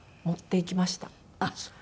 ああそう。